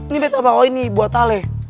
nih betta bawa ini buat ale